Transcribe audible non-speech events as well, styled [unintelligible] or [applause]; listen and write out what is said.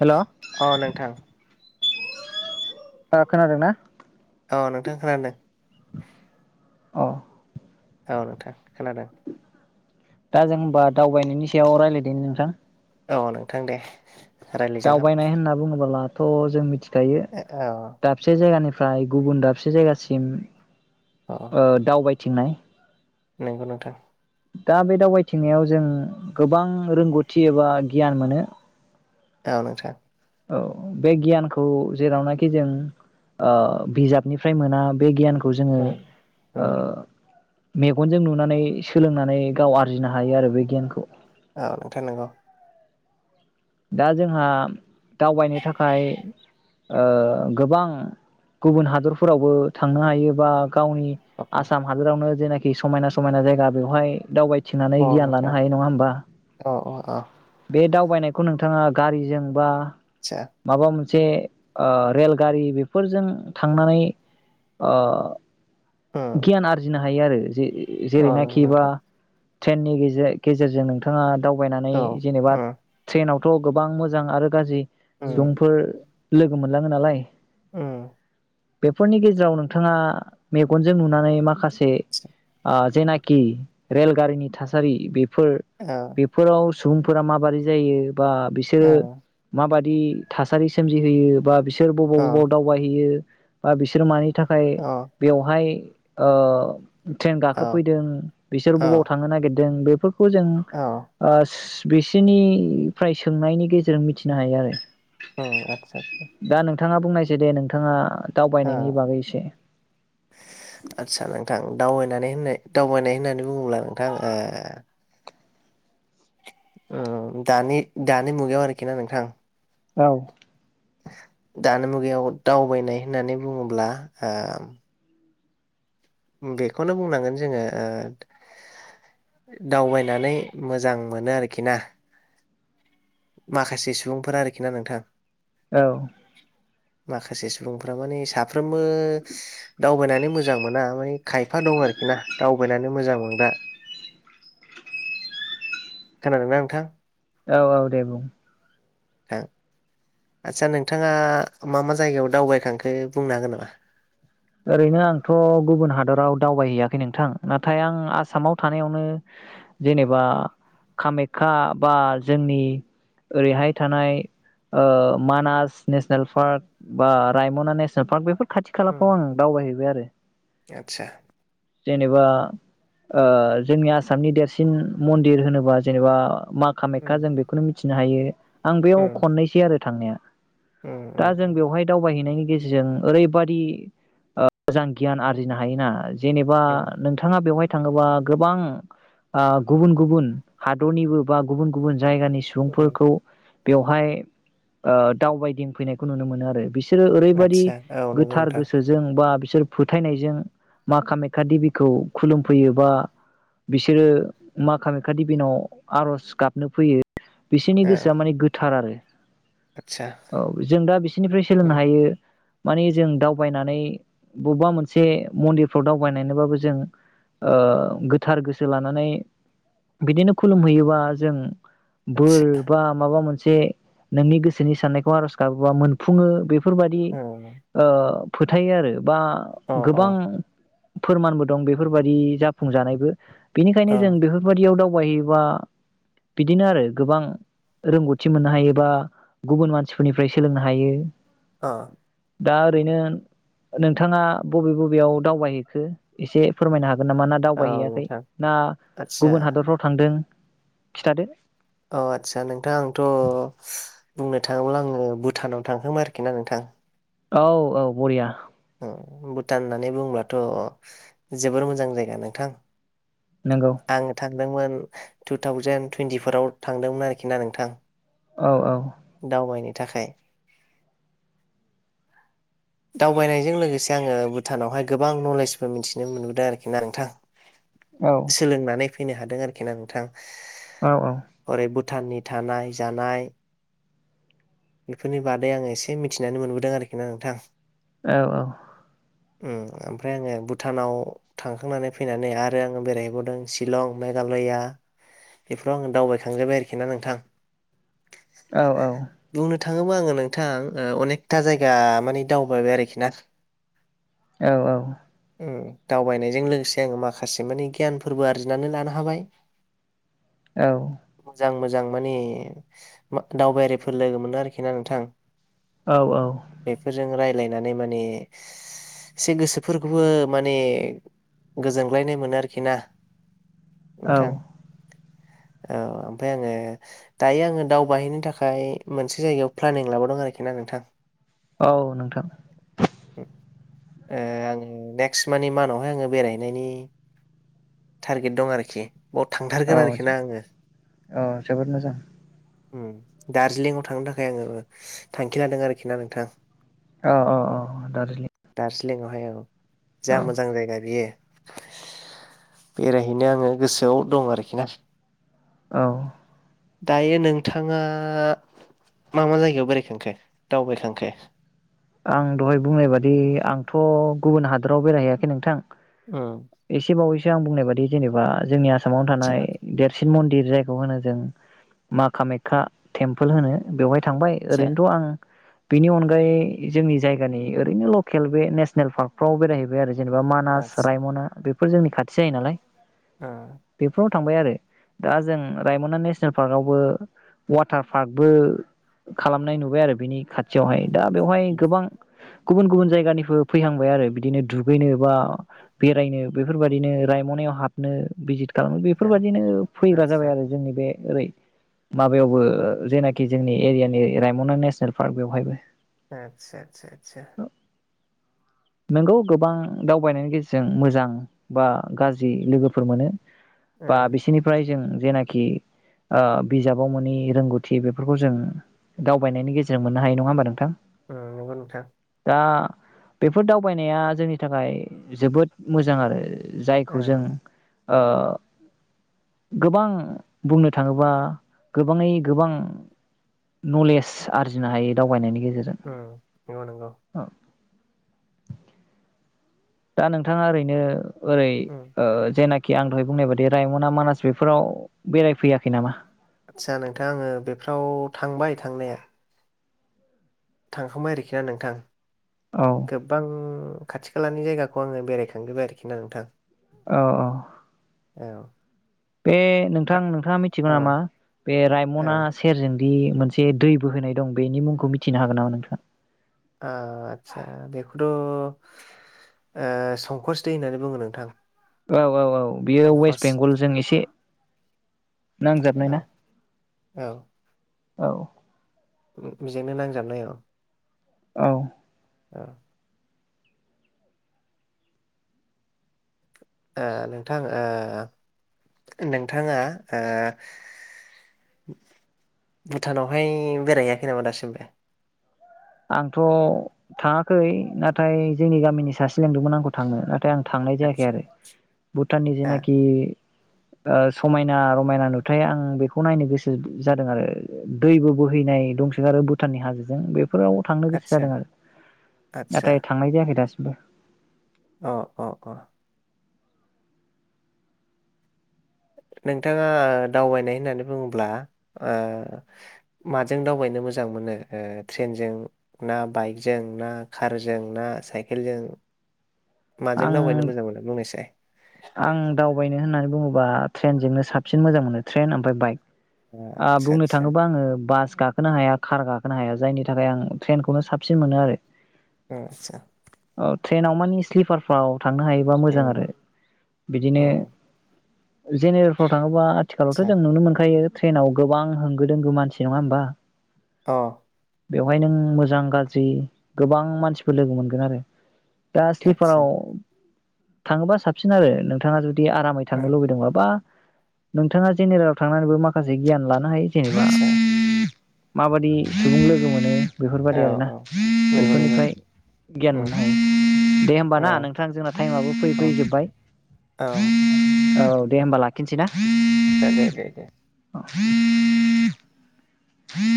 हेल' अ नोंथां ओ खोनादोंना? औ नोंथां खोनादों। अ। औ नोंथां खोनादों। दा जों होमबा दावबायनायनि सायाव रायलायदोनि नोंथां। औ नोंथां दे। रायज्लायजागोन दावबायनाय होनना बुङोबोला थ' जों मिथि खायो औ दाबसे जायगानिफ्रा फ्राय गुबुन दाबसे जायगासिम औ ओ दावबाय चिनाय नंगौ नोंथां। दा बे दावबायथिंनायाव जों गोबां रोंगौथि एबा गियान मोनो। औ नोंथां। औ बे गियानखौ जेरावनाखि जों बिजाबनिफ्राय मोना बे गियानखौ खौ जोंङो उम ओ उम मेगनजों नुनानै सोलोंनानै गाव आरजिनो हायो आरो बे गियानखौ। औ नोंथां नंगौ। दा जोंहा दावबायनो थाखाय ओ गोबां गुबुन हादरफोरावबो थांनो हायो बा गावनि अ आसाम हादोरावनो जेना खि समायना समायना जायगा बेवहाय दावबाय थंनानै गियान लानो नोंथां हायो नङा होमबा अ अ बे दाउ [unintelligible] खौ नोंथाङा गारिजों बा आदसा माबा मोनसे जे ओ रेलगारि बेफोरजों थांनानै ओ उम गियान आरजिना हायो आरो जे जेरि औ ना नंगौ खिबा नोंथां ट्रेननि गेजे-गेजेरजों नोंथाङा दावबायनानै औ जेनेबा उम ट्रेनाव ट' गोबां मोजां आरो गाज्रि उम सुबुंफोर लोगो मोनलाङो नालाय ओ बेफोरनि गेजेराव नोंथाङा गनजों नुनानै माखासे आदसा जेनाखि रेलगारिनि थासारि फोर औ बेफोराव सुबुंफोरा माबोरै जायो बा औ बिसोरो माबादि दि थासारि सोमजि होयो बा बिसोर बिसोर औ बबाव बबाव दावबायहैयो बा बिसोरो मानि नि थाखाय औ फ्राय ओ ट्रेन औ गाखोफैदों बिसोर औ बबाव थांनो नागिरदों बे खौ जों औ बिसोरनिफ्राय सोंनायनि गेजेरजों मिथिनो हायो आरो ओ आतसा-आतसा दा नोंथाङा बुंनायसै दे नोंथाङा दावबायनायनि बागै एसे। आदसा नोंथां दावबायनानै होननाय दावबायनाय होननानै बुङोब्ला नोंथां ओ दानि दानि मुगायाव आरोखि ना नोंथां औ। दानि मुगायाव दावबायनाय होननानै बुङोब्ला ओ बेखौनो बुंनांगोन जोङो ओ दावबायनानै मोजां मोनो आरोखि ना माखासे सुबुंफोरा आरोखि ना नोंथां? औ। माखासे सुबुंफ्रा माने साफ्रोमबो दावबायनानै मोजां मोना मान खायफा दं आरोखि ना दावबायनानै मोजां मोनो दा खोनादोंना नोंथां? औ औ दे बुं। थां आस्सा नोंथाङा मा मा जायगायाव दावबायखांखो बुंनो हागोन नामा? ओरैनो आंथ' गुबुन हादराव दावबायहैयाखै नोंथां नाथाय आं आसामाव थानायावनो जेनेबा कामाख्या बा जोंनि ओरैहाय थानाय ओ मानास नेसनेल पार्क बा रायमना नेसनेल पार्क बेफोर खाथि खा। खौ उम आं दावबायहैबाय आरो। आतसा जेनेबा ओ जोंनि आसामनि देरसिन मन्दिर होनोबा जेनेबा मा खामेखा जों उम बेखौनो मिथिनो हायो आं बेयाव उम खननैसै आरो थांनाया। उम दा उम जों बेवहाय दावबायहैनायनि गेजेरजों ओरैबादि। ओ मोजां गियान आरजिनो हायोना। जेनेबा उम नोंथाङा बेवहाय। थाङोबा गोबां ओ गुबुन गुबुन हादरनिबो बा गुबुन गुबुन। जायगानि उम सुबुंफोरखौ। बेवहाय ओ दावबायदिंफैनायखौ नुनो मोनो आरो बिसो बिसोरो ओरैबायदि आदसा औ नंगौ गोथार नोंथां गोसो बा बिसोर फोथायनायजों मा कामेख्या दिबिखौ खुलुमफैयो बा बिसोरो मा कामाखख्या दिबिनाव आर'ज गाबनो फैयो। बिसोरनि औ गोसोआ माने गोथार आरो। आदसा औ जों दा बिसोरनिफ्राय उम सोलोंनो हायो। मानि जों दाउ। दावबायनानै बबेबा मोनसे मन्दिरफ्राव दावबायबाबो जों ओ गोथार गोसो लानानै बिदिनो खुलुमहैयोबा जों। बोर आदसा बा माबा मोन जे नोंनि गोसोनि साननायखौ आर'ज गाबोबा मोनफुङो बे। बेफोरबादि औ ओ फोथायो आरो बा अ गोबां फोरमानबो दं बेफोरबायाददि जाफुंजानायबो अ बेनिखायनो जों बेफोरबायदियाव दाउ दगबायायोबा बिदिनो आरो गोबां रोंगौथि मोननो हायोबा गुबुन मानसिफोरनिफ्राय सोलोंनो हायो। अ दा ओरैनो नोंथाङा बबे बबेयाव दावबायहैखो एसे फोरमायनो हागोन? हागोन नामा ना औ दावबायहैयाखै नोंथां ना आदसा गुबुन हादरफ्राव थांदों खिथादो अ आदसा नोंथां आंथ' बुंनो थाङोब्ला आङो भुटानाव थांखोम आरोखि ना नोंथां औ औ बरिया भुटान होननानै बुंब्लाथ' जोबोर मोजां जायगा नोंथां नोंगौ आङो थांदोंमोन टु थावजेन टुवनटिफराव थांदोंमोन आरोखि ना नोंथां औ औ दावबायनो थाखाय दावबायनायजों लोगोसे आङो भुटानावहाय गोबां नलेजबो मिथिनो मोनबोदों आरोखि ना नोंथां औ सोलोंनानै फैनो हादों आरोखि ना नोंथां औ औ हरै भुटाननि थानाय जानाय बेफोरनि बादै आं एसे मिथिनानै मोनबोदों आरोखि ना नोंथां औ औ ओमफ्राय आङो भुटानाव थांखांनानै फैनानै आरो आङो बेरायहैबावदों शिलं मेघालया बेफोराव आङो दावबायखांजोबबाय आरोखि ना नोंथां औ औ थाङोब्ला आङो नोंथां अनेकथा जायगा माने दावबायबाय आरोखि ना औ औ दावबायनायजों लोगोसे आङो माखासे मानि गियानफोरबो आरजिनानै लानो हाबाय औ मोजां मोजां मानिे दावबायारिफोर लोगो मोनो आरोखि ना नोंथां औ औ रायजलायनानै माने एसे गोसोफोरखौबो माने गोजोनग्लायनाय मोनो आरोखि ना औ नोंथां औ ओमफ्राय आङो दायो आङो दावबायहैनो थाखाय मोनसे जायगायाव प्लानिं लाबोावदों आरोखि ना नोंथां औ नोंथां ओ आङो नेक्स्ट मानि मानावहाय आङो बेरायहनायनि टारगेट दं आरोखि बाव औ थांथारगोन आरोखि ना आङो औ जोबोद मोजां ओम दार्जिलिंआव थांनो थाखाय आङो थांखि लादों आरोखि ना नोंथां अ औ औ दार्जिलिं दार्जिलिंआवहाय औ जा औ मोजां जायगा बियो बेरायहैनो आङो गोसोआव दं आरोखि ना औ दायो नोंथाङा मा मा जायगायाव बेरायखांखो दावबायखांखो आं दहाय बुंनाय बादि आंथ' गुबुन हादोराव बेरायहैयाखै नोंथां ओम सो आं बुंनाय बादि जेनेबा जोंनिया आसामाव थानाय देरसिन मन्दिर जायखौ होनो जों मा कामाखक्या थेमपल होनो बेहाय थांबाय आदसा ओरैनोथ' आं बेनि अनगायै जोंनि जायगानि ओरैनो लकेल बे नेसनेल पार्कफ्राव बेरायहैबाय आरो जेनेबा मानास आदसा रायमना बे फोर जोंनि खाथि जायो नालाय ओ बेेफ्राव थांबाय आरो दा जों रायमना नेसनेल पार्क आवबो वाटार पार्कबो खालामनाय नुबाय आरो बिनि खाथ थियावहाय दा बेवहाय आतसा उ गुबुन गुबुन जायगानिबो फैहांबाय आरो बिदिनो दुगैनो बा बेरायनो बेफोरबायदिनो रायम'नायाव हाबनो भिजिट खालामो बेफोरबायदिनो फैग्रा आतसा जाबाय आरो जोंनि बे ओरै माबायावबो ओ जेनाखि जोंनि एरियानि रायमना नेसनेल पार्क बेवहायबो आतसा आतसा आतसा नंगौ गोबां दावबायनायनि गेजेरजों मोजां बा गाज्रि लोगोफोर मोनो । ओ बा बिसोरनिफ्राय जों जेनाखि ओ बिजाबाव मोनि रोंगौथि बेफोरखौ जों दावबायनायनि गेजेरजों मोननो हायो नङा होमबा नोंथां? औ नंगौ नोंथां। आ बेफोर दावबायनाया जोंनि थाखाय जोबोद मोजां आरो जायखौ जों औ ओ गोबां बुंनो थाङोबा गोबाङै गोबां नलेज आरजिनो हायो दावबायनायनि गे जेरजों उम नंगौ नंगौ दा नोंथाङा ओरैनो ओरै उम ओ जेनाख खि आं दहाय बुंनाय बायदि रायमना मानास बेफोराव बेरायफैयाखै नामा? आदसा नोंथां आङो बेफ्राव थांबाय थांनाया थांखांबाय आरोखि ना नोंथां औ । गोबां खाथि खालानि जायगाखौ आङो बेरायखांजोब्बाय आरोखि ना नोंथां । औ औ बे नोंथां आ- नोंथाङा मिथिगौ औ नामा बे औ रायमना सेरजों दि मोनसे दै बो होनाय दं बेनि मुंखौ मिथिनो हागोन नामा नोंथाङा? आ आतसा बेखौथ' ओ संकस दै होननानै बुङो नोंथां । औ औ औ बेयो वेस्ट बेंगलजों एसे नांजाबनाय ना? औ औ उ बेजोंनो नांजाबनाय औ औ औ ओ नोंथां ओ नोंथाङा ओ भुटानावहाय बेरायहैाखै नामा दासिमबो? आंथ' थाङाखै नाथाय जोंनि गामिनि सासे लेंदोंमोन आंखौ थांनो नाथ थाय आं थांनाय जायाखै आतसा आरो भुटाननि आ जेनाखि समायना रमायना नुथाय आं बेखौ नायनो गोसो जादों आरो दैबो बोहैनाय दंसोगारो आरो भुटाननि हाजोजों बे बेफोराव थांनो गोसो आतसा जादों आरो आदसा नाथाय थांनाय जायाखै दासिमबो बा अ अ अ नोंथाङा दावबायनाय होननानै बुङोब्ला माजों दावबायनो मोजां मोनो ट्रेनजों ना बाइकजों ना कारजों ना साइकेलजों माजों दावबायनो आं मोजां मोनो बुंनायसाय? आं दावबायनो होननानै बुङोबा बा ट्रेनजोंनो साबसिन मोजां मोनो ट्रेन ओमफ्राय बाइक ओ आतसा बुंनो आतसा थाङोबा आङो बास गाखो गाखोनो हाया कार गाखोनो हाया जायनि थाखाय आं ट्रेनखौनो साबसिन मोनो आरो आतसा औ ट्रेनाव माने स्लिपार आव थांनो हायोबा मोजां उम आरो बिदिनो उम जेनेरेलफ्राव थाङोबा आथिखालावथ' आतसा जों नुनो मोनखायो ट्रेनाव गोबां होंगो दोंगो मानसि नङा होमबा औ बेवहाय नों मोजां गाज्रि गोबां मानसिफोर लोगो मोनगोन आरो दा [unintelligible] आतसा फोराव थाङोबा साबसिन आरो नोंथाङा जुदि आरामै उम थांनो लुबैदोंबा बा नोंथाङा जेनेरेलाव थांनानैबो माखासे गियान लानो नाय जेनेबा [inaudible] आतसा माबायदि [inaudible] सुबुं लोगो मोनो बेफोर औ बायदि आरोना औ नंगौ बेफोर नंगौ निफ्राय गियान उम मोननो हायो दे होम औ ना नोंथां जोंना [inaudible] टाइमाबो फैयै औ फैयै जोबबाय औ [inaudible] [inaudible] औ दे होमबा लाखिनोसै ना? दे दे दे। [unintelligible]